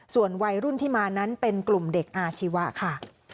ส่วนวัยรุ่นที่มานั้นเป็นกลุ่มเด็กอาชีวะค่ะ